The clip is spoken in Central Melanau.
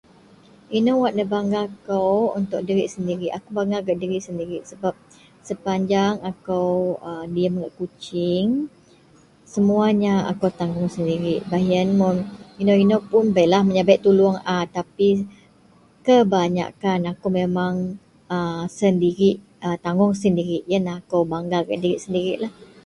Inou wak nebanggakou untuk diri sendirik, akou bangga gak diri sendirik sepanjang akou [a] diyem gak Kuching, semuanya akou tanggung sendirik baih yen mun inou -inou pun beilah menyabek tuluong a tapi kebanyakkan akou memang a sendirik tanggung sendirik yenlah akou bangga gak dirik sendirik